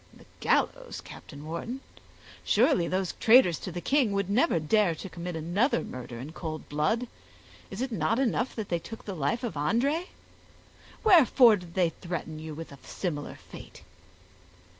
"The gallows, Captain Wharton! surely those traitors to the king would never dare to commit another murder in cold blood; is it not enough that they took the life of André? Wherefore did they threaten you with a similar fate?"